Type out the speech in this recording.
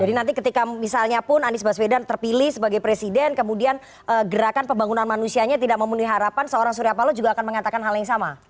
jadi nanti ketika misalnya pun anies baswedan terpilih sebagai presiden kemudian gerakan pembangunan manusianya tidak memenuhi harapan seorang suryapalo juga akan mengatakan hal yang sama